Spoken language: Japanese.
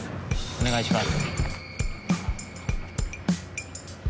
お願いします。